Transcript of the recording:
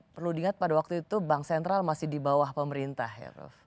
perlu diingat pada waktu itu bank sentral masih di bawah pemerintah ya prof